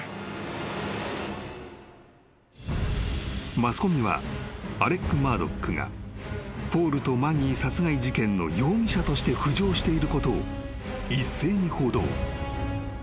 ［マスコミはアレック・マードックがポールとマギー殺害事件の容疑者として浮上していることを一斉に報道］